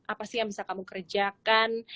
apa sih yang bisa kamu kerjakan